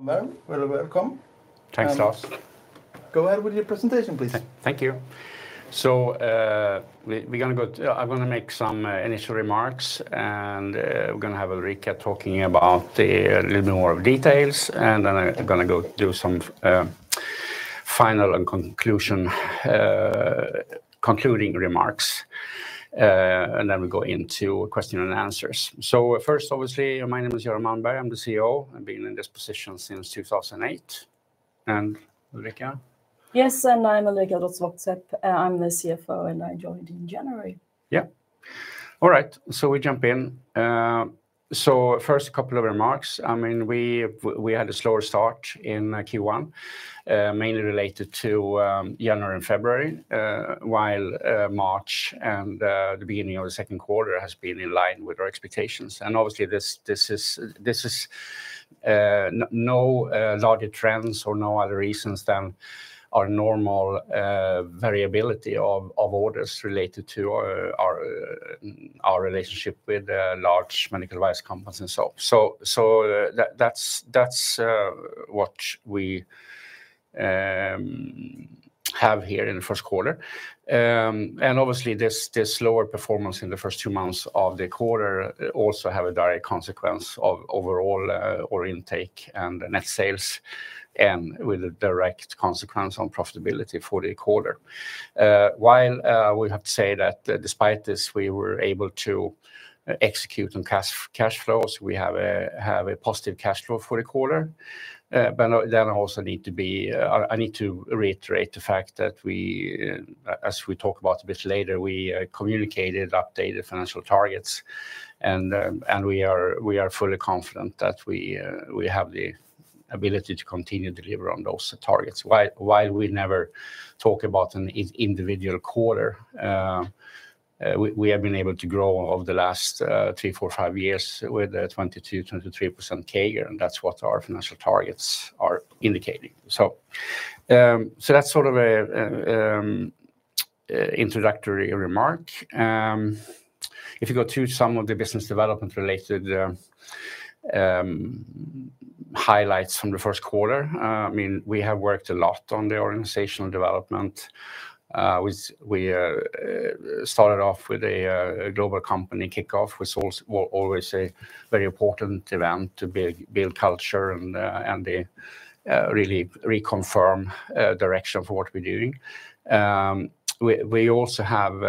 Madam, you're welcome. Thanks, Lars. Go ahead with your presentation, please. Thank you. So we're going to go, I'm going to make some initial remarks, and we're going to have Ulrika talking about a little bit more of details, and then I'm going to go do some final and conclusion, concluding remarks, and then we go into questions and answers. So first, obviously, my name is Göran Malmberg. I'm the CEO. I've been in this position since 2008. And Ulrika? Yes, and I'm Ulrika Drotz Voksepp. I'm the CFO, and I joined in January. Yeah. All right, so we jump in. So first, a couple of remarks. I mean, we had a slower start in Q1, mainly related to January and February, while March and the beginning of the second quarter have been in line with our expectations. And obviously, this is—this is no larger trends or no other reasons than our normal variability of orders related to our relationship with large medical device companies and so on. So that's what we have here in the first quarter. And obviously, this slower performance in the first two months of the quarter also has a direct consequence of overall order intake and net sales, and with a direct consequence on profitability for the quarter. While we have to say that despite this, we were able to execute on cash flows, we have a positive cash flow for the quarter. But then I also need to reiterate the fact that we, as we talk about a bit later, we communicated updated financial targets, and we are fully confident that we have the ability to continue to deliver on those targets. While we never talk about an individual quarter, we have been able to grow over the last 3, 4, 5 years with a 22%-23% CAGR, and that's what our financial targets are indicating. So that's sort of an introductory remark. If you go through some of the business development-related highlights from the first quarter, I mean, we have worked a lot on the organizational development. We started off with a global company kickoff, which is always a very important event to build culture and really reconfirm direction for what we're doing. We also have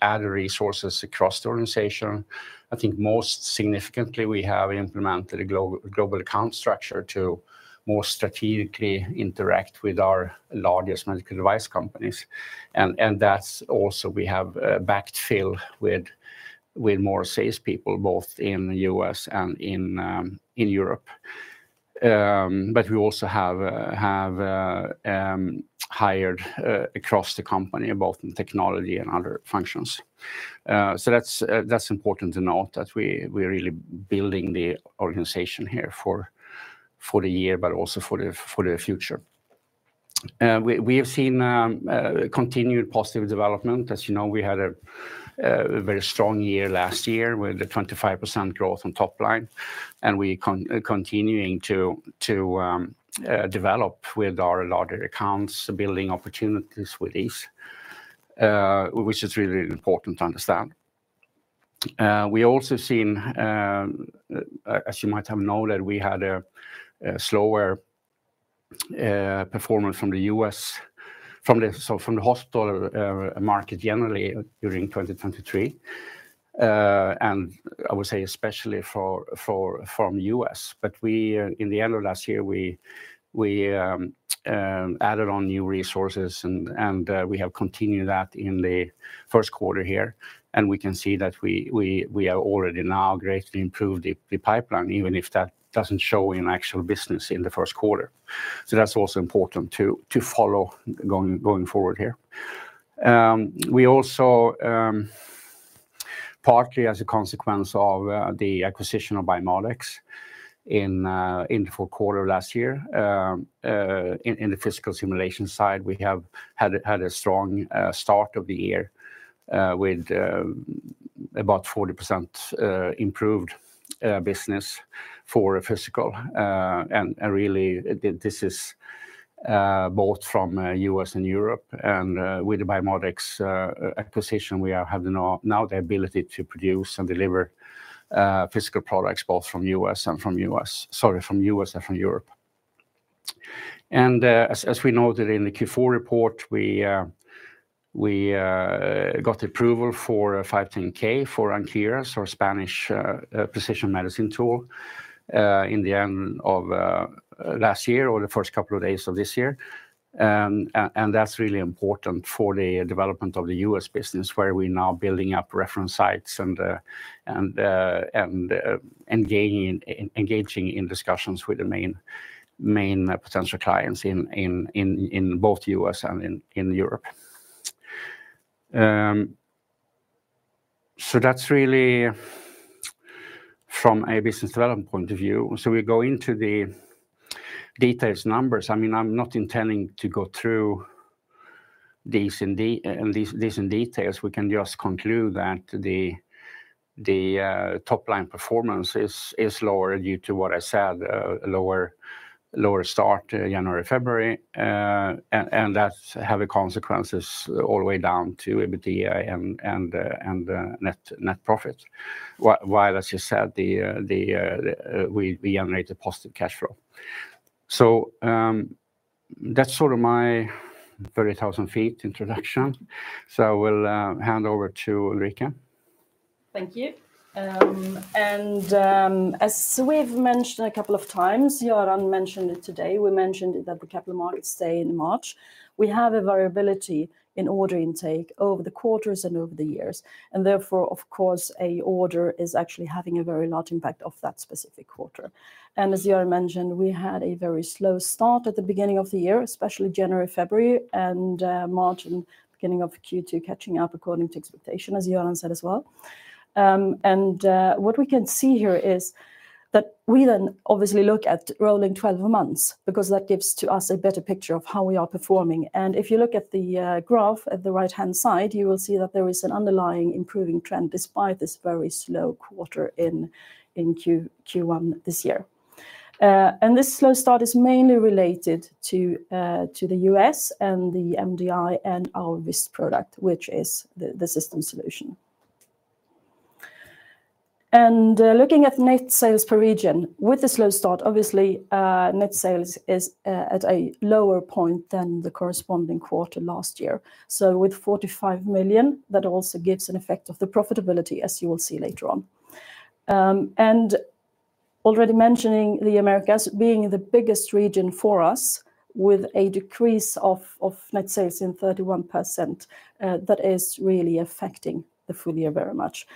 added resources across the organization. I think most significantly, we have implemented a global account structure to more strategically interact with our largest medical device companies. And that's also—we have backfilled with more salespeople, both in the U.S. and in Europe. But we also have hired across the company, both in technology and other functions. So that's important to note, that we're really building the organization here for the year, but also for the future. We have seen continued positive development. As you know, we had a very strong year last year with a 25% growth on top line, and we're continuing to develop with our larger accounts, building opportunities with these, which is really important to understand. We also have seen, as you might have noted, we had a slower performance from the U.S., from the hospital market generally during 2023, and I would say especially from the U.S. But in the end of last year, we added on new resources, and we have continued that in the first quarter here. And we can see that we have already now greatly improved the pipeline, even if that doesn't show in actual business in the first quarter. So that's also important to follow going forward here. We also, partly as a consequence of the acquisition of Biomodex in the fourth quarter of last year, in the physical simulation side, we have had a strong start of the year with about 40% improved business for physical. And really, this is both from the U.S. and Europe. And with the Biomodex acquisition, we now have the ability to produce and deliver physical products both from the U.S. and from the U.S., sorry, from the U.S. and from Europe. As we noted in the Q4 report, we got approval for 510(k) for Ankyras, our Spanish precision medicine tool, in the end of last year or the first couple of days of this year. And that's really important for the development of the U.S. business, where we're now building up reference sites and engaging in discussions with the main potential clients in both the U.S. and in Europe. So that's really from a business development point of view. So we go into the detailed numbers. I mean, I'm not intending to go through these in details. We can just conclude that the top line performance is lower due to what I said, a lower start in January, February, and that has consequences all the way down to EBITDA and net profit, while, as you said, we generated positive cash flow. So that's sort of my 30,000 feet introduction. I will hand over to Ulrika. Thank you. As we've mentioned a couple of times, Göran mentioned it today. We mentioned that the capital markets day in March. We have a variability in order intake over the quarters and over the years. Therefore, of course, an order is actually having a very large impact of that specific quarter. As Göran mentioned, we had a very slow start at the beginning of the year, especially January, February, and March and beginning of Q2 catching up according to expectation, as Göran said as well. What we can see here is that we then obviously look at rolling 12 months because that gives us a better picture of how we are performing. If you look at the graph at the right-hand side, you will see that there is an underlying improving trend despite this very slow quarter in Q1 this year. This slow start is mainly related to the U.S. and the MDI and our VIST product, which is the system solution. Looking at net sales per region, with the slow start, obviously, net sales is at a lower point than the corresponding quarter last year. So with 45 million, that also gives an effect of the profitability, as you will see later on. Already mentioning the Americas being the biggest region for us with a decrease of net sales in 31%, that is really affecting the full year very much.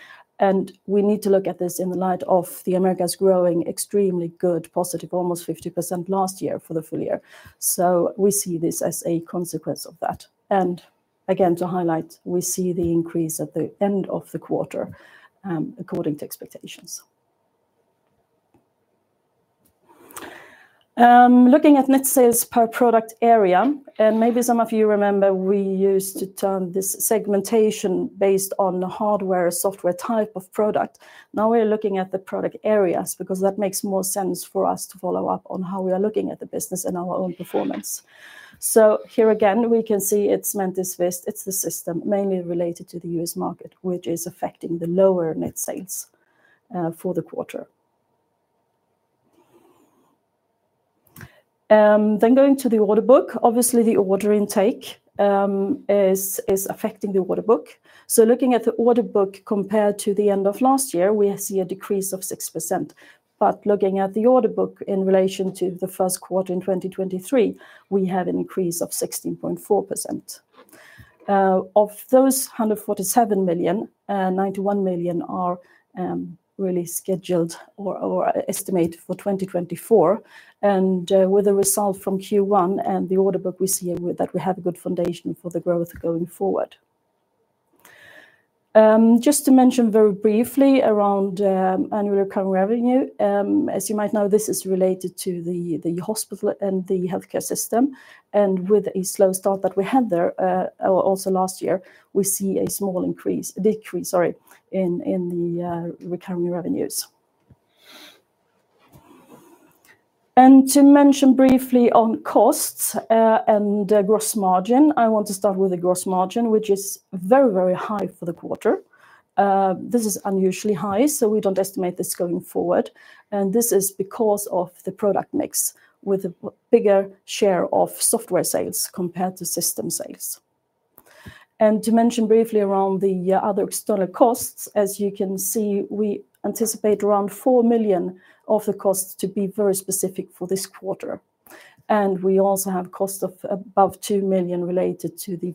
We need to look at this in the light of the Americas growing extremely good, positive, almost 50% last year for the full year. So we see this as a consequence of that. Again, to highlight, we see the increase at the end of the quarter according to expectations. Looking at net sales per product area, and maybe some of you remember, we used to turn this segmentation based on the hardware or software type of product. Now we're looking at the product areas because that makes more sense for us to follow up on how we are looking at the business and our own performance. So here again, we can see it's Mentice, VIST. It's the system, mainly related to the U.S. market, which is affecting the lower net sales for the quarter. Then going to the order book, obviously, the order intake is affecting the order book. So looking at the order book compared to the end of last year, we see a decrease of 6%. But looking at the order book in relation to the first quarter in 2023, we have an increase of 16.4%. Of those 147 million, 91 million are really scheduled or estimated for 2024, and with the result from Q1 and the order book, we see that we have a good foundation for the growth going forward. Just to mention very briefly around annual recurring revenue, as you might know, this is related to the hospital and the healthcare system. And with a slow start that we had there also last year, we see a small increase, a decrease, sorry, in the recurring revenues. And to mention briefly on costs and gross margin, I want to start with the gross margin, which is very, very high for the quarter. This is unusually high, so we don't estimate this going forward. And this is because of the product mix with a bigger share of software sales compared to system sales. To mention briefly around the other external costs, as you can see, we anticipate around 4 million of the costs to be very specific for this quarter. We also have costs of above 2 million related to the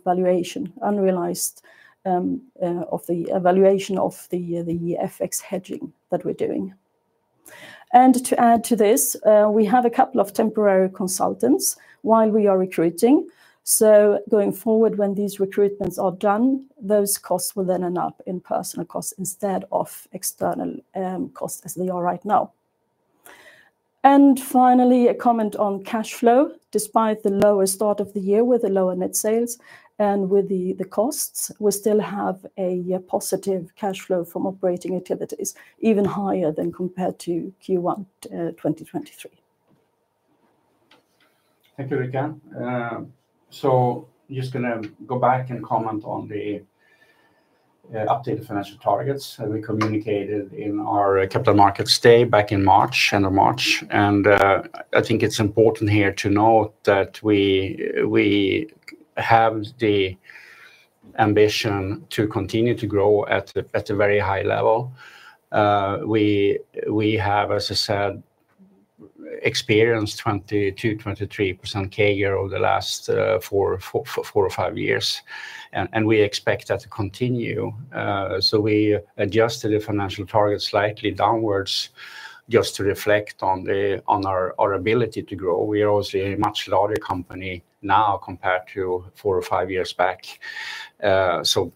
unrealized valuation of the FX hedging that we're doing. To add to this, we have a couple of temporary consultants while we are recruiting. So going forward, when these recruitments are done, those costs will then end up in personal costs instead of external costs as they are right now. Finally, a comment on cash flow. Despite the lower start of the year with the lower net sales and with the costs, we still have a positive cash flow from operating activities, even higher than compared to Q1 2023. Thank you, Ulrika. So I'm just going to go back and comment on the updated financial targets that we communicated in our capital markets day back in March, end of March, and I think it's important here to note that we have the ambition to continue to grow at a very high level. We have, as I said, experienced 22%-23% CAGR over the last four or five years, and we expect that to continue. So we adjusted the financial targets slightly downwards just to reflect on our ability to grow. We're obviously a much larger company now compared to four or five years back. So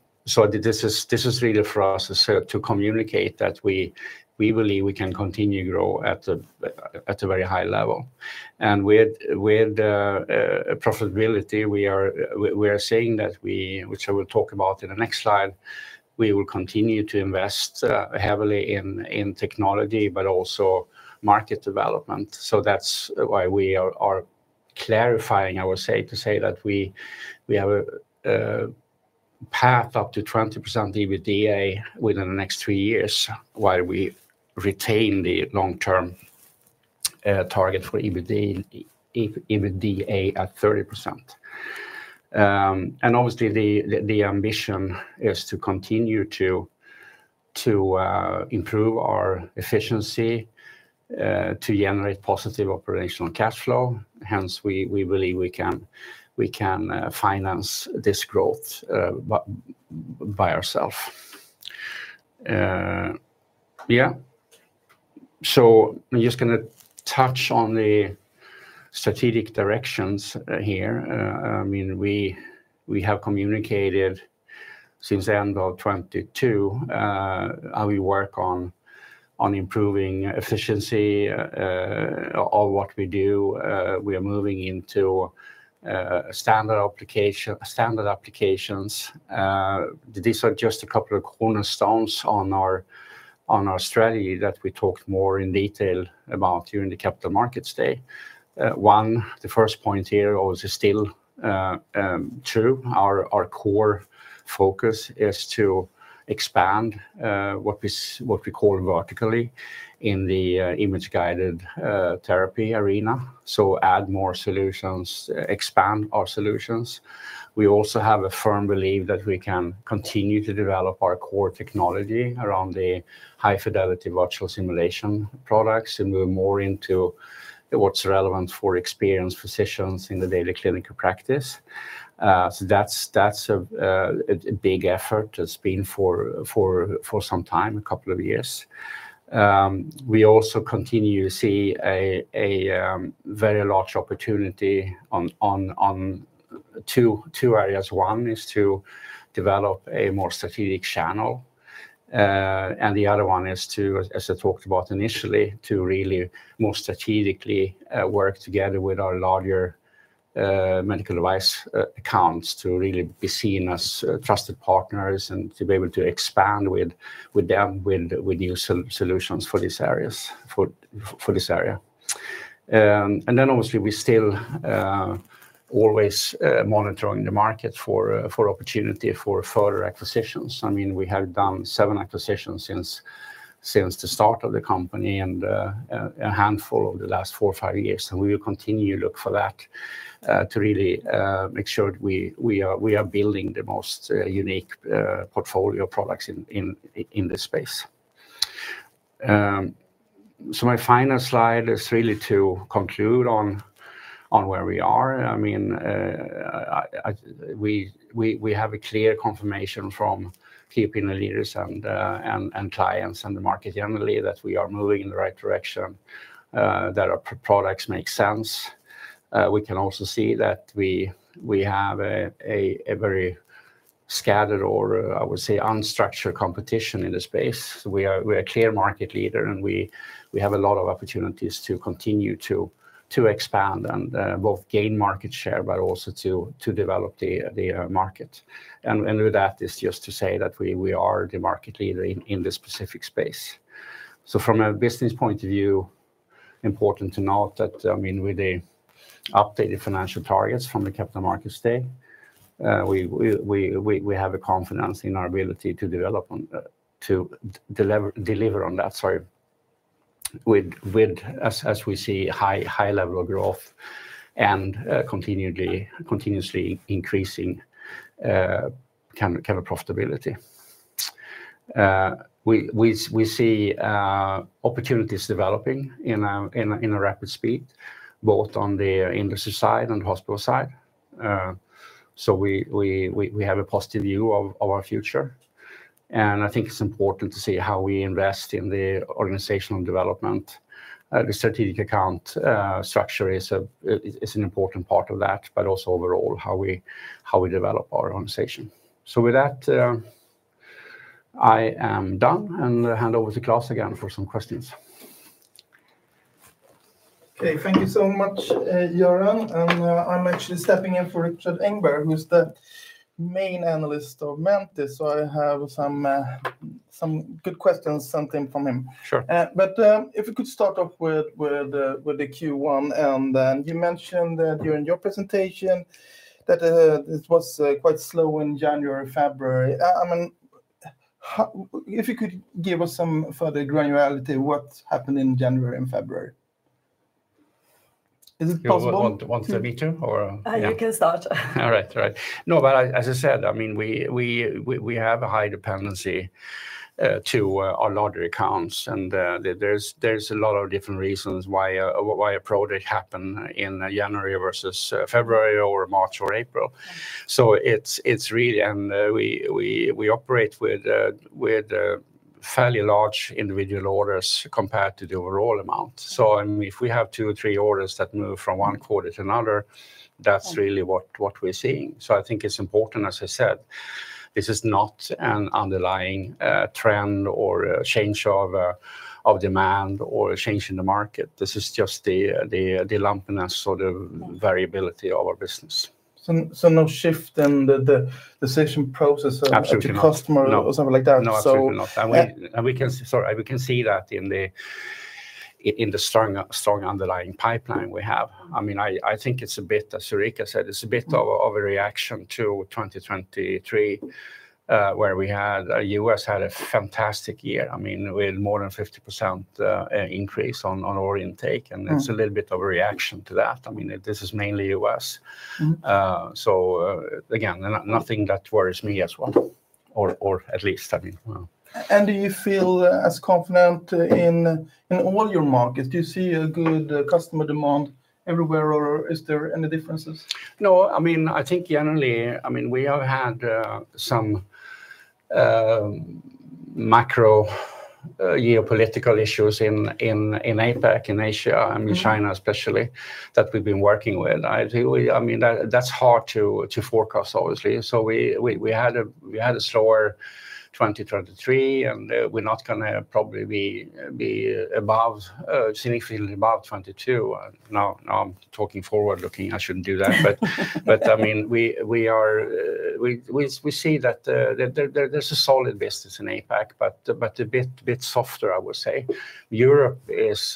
this is really for us to communicate that we believe we can continue to grow at a very high level. And with profitability, we are saying that we—which I will talk about in the next slide—we will continue to invest heavily in technology but also market development. So that's why we are clarifying, I would say, to say that we have a path up to 20% EBITDA within the next three years while we retain the long-term target for EBITDA at 30%. And obviously, the ambition is to continue to improve our efficiency, to generate positive operational cash flow. Hence, we believe we can finance this growth by ourselves. Yeah. So I'm just going to touch on the strategic directions here. I mean, we have communicated since the end of 2022 how we work on improving efficiency of what we do. We are moving into standard applications. These are just a couple of cornerstones on our strategy that we talked more in detail about during the capital markets day. One, the first point here obviously still true. Our core focus is to expand what we call vertically in the image-guided therapy arena. So add more solutions, expand our solutions. We also have a firm belief that we can continue to develop our core technology around the high-fidelity virtual simulation products and move more into what's relevant for experienced physicians in the daily clinical practice. So that's a big effort that's been for some time, a couple of years. We also continue to see a very large opportunity on two areas. One is to develop a more strategic channel. And the other one is to, as I talked about initially, to really more strategically work together with our larger medical device accounts to really be seen as trusted partners and to be able to expand with them with new solutions for this area. And then obviously, we're still always monitoring the market for opportunity for further acquisitions. I mean, we have done seven acquisitions since the start of the company and a handful of the last four or five years. And we will continue to look for that to really make sure that we are building the most unique portfolio of products in this space. So my final slide is really to conclude on where we are. I mean, we have a clear confirmation from key opinion leaders and clients and the market generally that we are moving in the right direction, that our products make sense. We can also see that we have a very scattered or, I would say, unstructured competition in the space. We are a clear market leader, and we have a lot of opportunities to continue to expand and both gain market share but also to develop the market. And with that, it's just to say that we are the market leader in this specific space. So from a business point of view, important to note that, I mean, with the updated financial targets from the capital markets day, we have confidence in our ability to deliver on that, sorry, as we see high-level growth and continuously increasing kind of profitability. We see opportunities developing in a rapid speed, both on the industry side and the hospital side. So we have a positive view of our future. And I think it's important to see how we invest in the organizational development. The strategic account structure is an important part of that, but also overall how we develop our organization. So with that, I am done and hand over to Klaus again for some questions. Okay. Thank you so much, Göran. And I'm actually stepping in for Ulrika Engberg, who's the main analyst of Mentice. So I have some good questions sent in from him. But if we could start off with the Q1. And you mentioned during your presentation that it was quite slow in January, February. I mean, if you could give us some further granularity, what happened in January and February? Is it possible? Wants to meet you, or? You can start. All right. All right. No, but as I said, I mean, we have a high dependency to our larger accounts. And there's a lot of different reasons why a project happened in January versus February or March or April. So it's really, and we operate with fairly large individual orders compared to the overall amount. So I mean, if we have two or three orders that move from one quarter to another, that's really what we're seeing. So I think it's important, as I said, this is not an underlying trend or change of demand or change in the market. This is just the lumpiness or the variability of our business. So no shift in the decision process of the customer or something like that? Absolutely not. Absolutely not. And we can see, sorry, we can see that in the strong underlying pipeline we have. I mean, I think it's a bit, as Ulrika said, it's a bit of a reaction to 2023 where we had, the U.S. had a fantastic year, I mean, with more than 50% increase on our intake. And it's a little bit of a reaction to that. I mean, this is mainly U.S. So again, nothing that worries me as well, or at least, I mean. Do you feel as confident in all your markets? Do you see a good customer demand everywhere, or is there any differences? No. I mean, I think generally, I mean, we have had some macro geopolitical issues in APEC, in Asia, I mean, China especially, that we've been working with. I mean, that's hard to forecast, obviously. So we had a slower 2023, and we're not going to probably be significantly above 2022. Now I'm talking forward-looking. I shouldn't do that. But I mean, we see that there's a solid business in APEC, but a bit softer, I would say. Europe is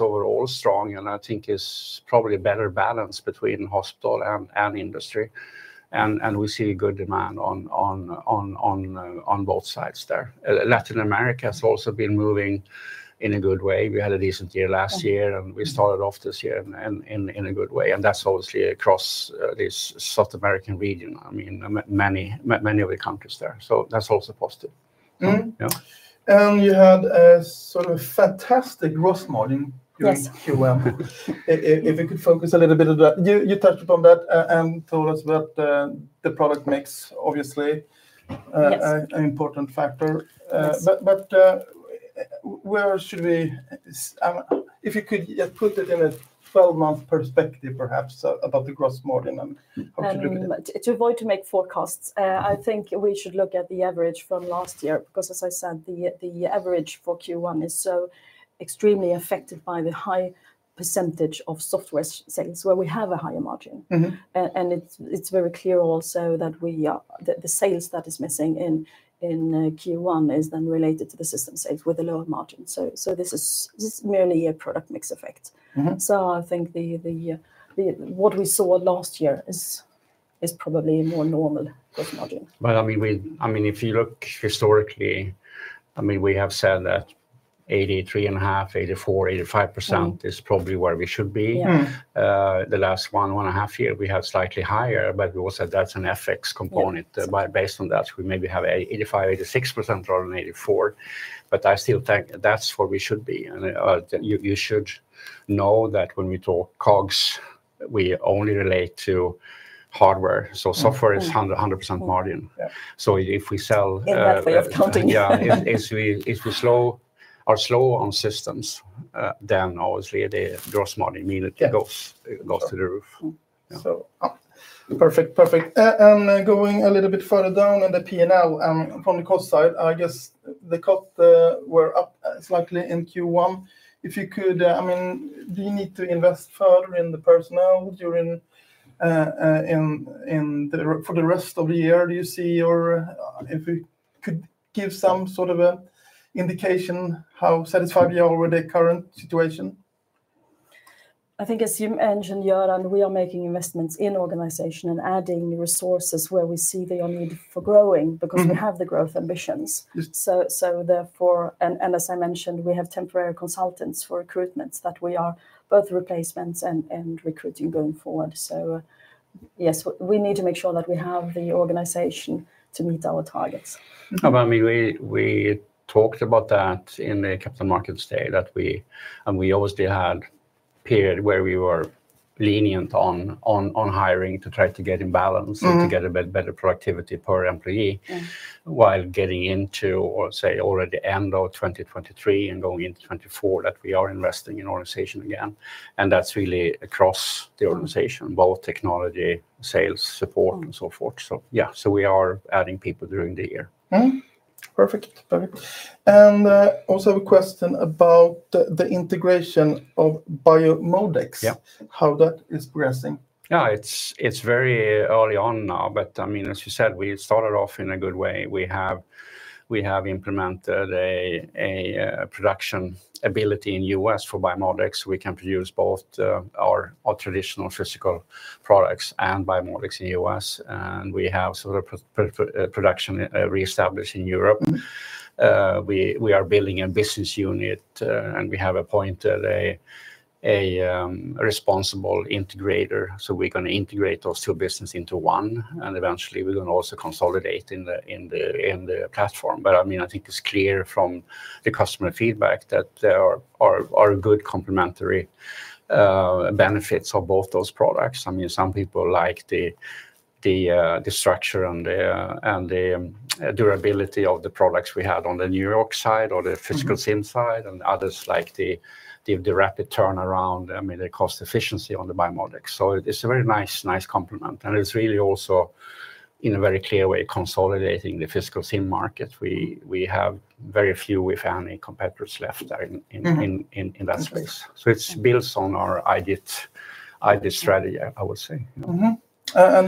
overall strong, and I think it's probably a better balance between hospital and industry. And we see good demand on both sides there. Latin America has also been moving in a good way. We had a decent year last year, and we started off this year in a good way. And that's obviously across this South American region, I mean, many of the countries there. So that's also positive. Yeah. You had sort of a fantastic gross margin during Q1. If we could focus a little bit on that—you touched upon that and told us about the product mix, obviously, an important factor—but where should we—if you could put it in a 12-month perspective, perhaps, about the gross margin and how to look at it? To avoid making forecasts, I think we should look at the average from last year because, as I said, the average for Q1 is so extremely affected by the high percentage of software sales where we have a higher margin. And it's very clear also that the sales that are missing in Q1 are then related to the system sales with a lower margin. So this is merely a product mix effect. So I think what we saw last year is probably a more normal gross margin. But I mean, if you look historically, I mean, we have said that 83.5%, 84%, 85% is probably where we should be. The last 1.5 years, we had slightly higher, but we also said that's an FX component. Based on that, we maybe have 85%, 86% rather than 84%. But I still think that's where we should be. And you should know that when we talk COGS, we only relate to hardware. So software is 100% margin. So if we sell. In that way, you're counting. Yeah. If we are slow on systems, then obviously, the gross margin immediately goes to the roof. Perfect. Perfect. And going a little bit further down in the P&L, from the cost side, I guess the cut was up slightly in Q1. If you could, I mean, do you need to invest further in the personnel for the rest of the year? Do you see, or if we could give some sort of an indication, how satisfied are you with the current situation? I think, as you mentioned, Göran, we are making investments in the organization and adding resources where we see the need for growing because we have the growth ambitions. So therefore, and as I mentioned, we have temporary consultants for recruitments that we are both replacements and recruiting going forward. So yes, we need to make sure that we have the organization to meet our targets. But I mean, we talked about that in the Capital Markets Day that we, and we obviously had a period where we were lenient on hiring to try to get in balance and to get a better productivity per employee while getting into, or say, already end of 2023 and going into 2024, that we are investing in the organization again. And that's really across the organization, both technology, sales, support, and so forth. So yeah. So we are adding people during the year. Perfect. Perfect. And also a question about the integration of Biomodex. How that is progressing? Yeah. It's very early on now. But I mean, as you said, we started off in a good way. We have implemented a production ability in the US for Biomodex. We can produce both our traditional physical products and Biomodex in the US. And we have sort of production reestablished in Europe. We are building a business unit, and we have appointed a responsible integrator. So we're going to integrate those two businesses into one. And eventually, we're going to also consolidate in the platform. But I mean, I think it's clear from the customer feedback that there are good complementary benefits of both those products. I mean, some people like the structure and the durability of the products we had on the New York side or the physical SIM side and others like the rapid turnaround, I mean, the cost efficiency on the Biomodex. So it's a very nice complement. And it's really also, in a very clear way, consolidating the physical SIM market. We have very few, if any, competitors left there in that space. So it's built on our ideal strategy, I would say.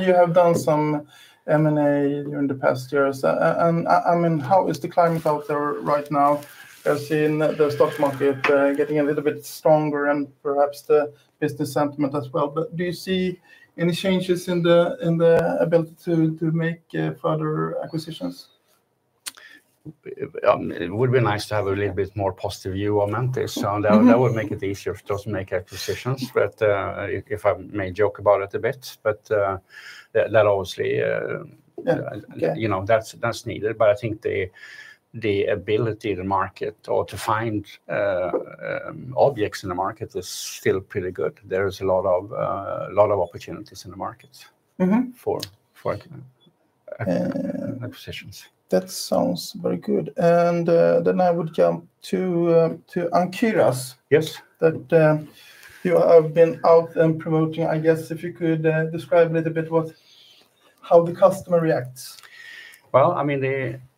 You have done some M&A during the past years. I mean, how is the climate out there right now? I've seen the stock market getting a little bit stronger and perhaps the business sentiment as well. Do you see any changes in the ability to make further acquisitions? It would be nice to have a little bit more positive view on Mentice. So that would make it easier for us to make acquisitions, if I may joke about it a bit. But that obviously that's needed. But I think the ability in the market or to find objects in the market is still pretty good. There is a lot of opportunities in the market for acquisitions. That sounds very good. And then I would jump to Ankyras. You have been out and promoting. I guess if you could describe a little bit how the customer reacts. Well, I mean,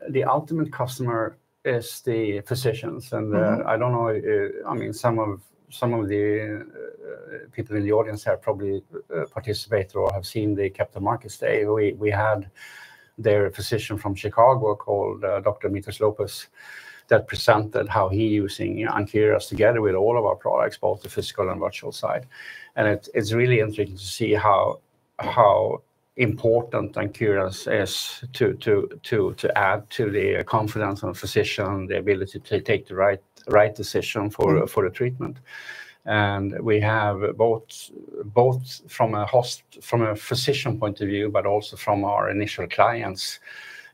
the ultimate customer is the physicians. And I don't know. I mean, some of the people in the audience here probably participate or have seen the capital markets day. We had their physician from Chicago called Dr. Mitas Lopez that presented how he is using Ankyras together with all of our products, both the physical and virtual side. And it's really interesting to see how important Ankyras is to add to the confidence on the physician, the ability to take the right decision for the treatment. And we have both, from a physician point of view, but also from our initial clients,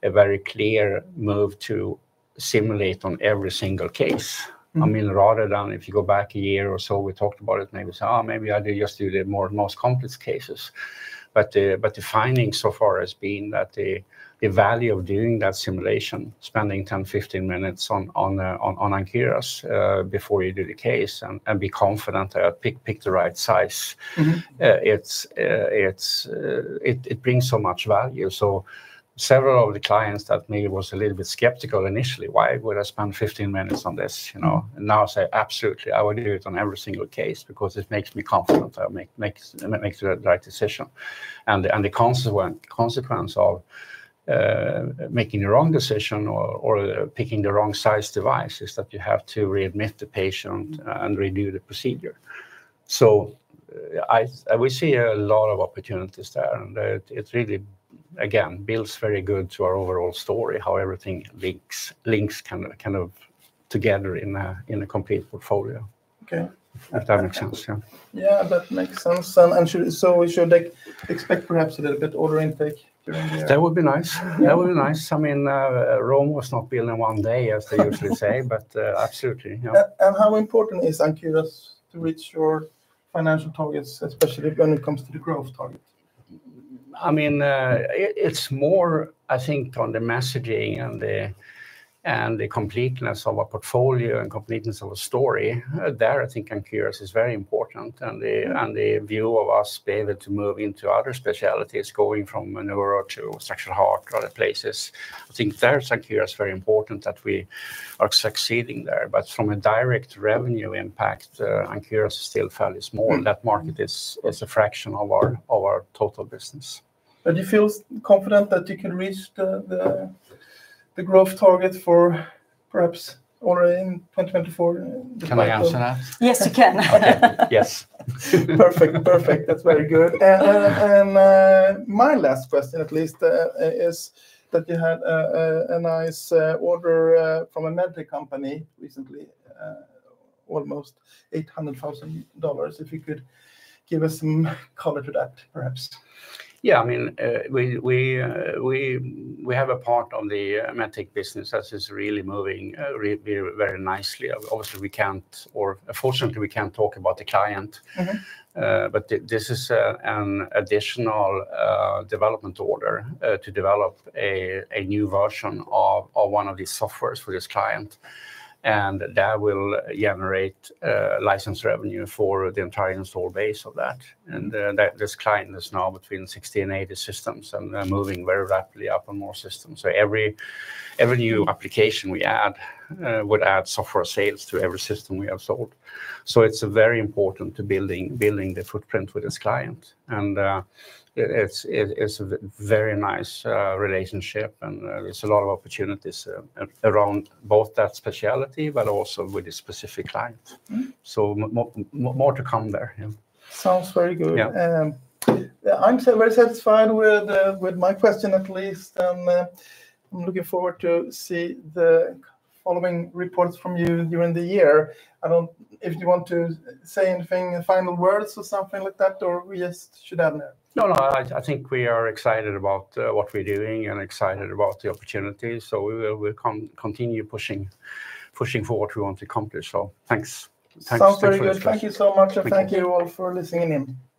a very clear move to simulate on every single case. I mean, rather than if you go back a year or so, we talked about it, maybe say, "Oh, maybe I just do the most complex cases." But the finding so far has been that the value of doing that simulation, spending 10, 15 minutes on Ankyras before you do the case and be confident that you picked the right size, it brings so much value. So several of the clients that maybe were a little bit skeptical initially, "Why would I spend 15 minutes on this?" now say, "Absolutely. I would do it on every single case because it makes me confident I'll make the right decision." And the consequence of making the wrong decision or picking the wrong size device is that you have to readmit the patient and redo the procedure. So we see a lot of opportunities there. It really, again, builds very good to our overall story, how everything links kind of together in a complete portfolio, if that makes sense. Yeah. That makes sense. So we should expect perhaps a little bit of order intake during the year? That would be nice. That would be nice. I mean, Rome was not built in one day, as they usually say. But absolutely. Yeah. How important is Ankyras to reach your financial targets, especially when it comes to the growth target? I mean, it's more, I think, on the messaging and the completeness of our portfolio and completeness of our story. There, I think Ankyras is very important. And the view of us being able to move into other specialties, going from neuro to structural heart or other places, I think there's Ankyras very important that we are succeeding there. But from a direct revenue impact, Ankyras is still fairly small. That market is a fraction of our total business. But do you feel confident that you can reach the growth target for perhaps already in 2024? Can I answer that? Yes, you can. Yes. Perfect. Perfect. That's very good. And my last question, at least, is that you had a nice order from a MedTech company recently, almost $800,000. If you could give us some color to that, perhaps? Yeah. I mean, we have a part of the MedTech business that is really moving very nicely. Obviously, we can't or fortunately, we can't talk about the client. But this is an additional development order to develop a new version of one of these softwares for this client. And that will generate license revenue for the entire install base of that. And this client is now between 60 and 80 systems and moving very rapidly up on more systems. So every new application we add would add software sales to every system we have sold. So it's very important to building the footprint with this client. And it's a very nice relationship. And there's a lot of opportunities around both that specialty but also with this specific client. So more to come there. Yeah. Sounds very good. I'm very satisfied with my question, at least. I'm looking forward to seeing the following reports from you during the year. If you want to say anything, final words or something like that, or we just should end there? No, no. I think we are excited about what we're doing and excited about the opportunities. So we will continue pushing forward what we want to accomplish. So thanks. Thanks so much. Sounds very good. Thank you so much. Thank you all for listening in.